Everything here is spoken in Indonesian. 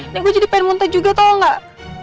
nih gue jadi pengen muntah juga tau gak